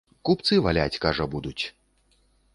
Купцы валяць, кажа, будуць.